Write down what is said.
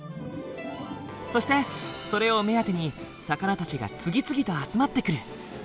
そしてそれを目当てに魚たちが次々と集まってくる。